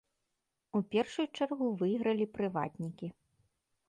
У першую чаргу выйгралі прыватнікі.